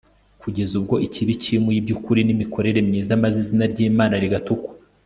kugeza ubwo ikibi cyimuye iby'ukuri n'imikorere myiza, maze izina ry'imana rigatukwa